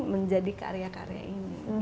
menjadi karya karya ini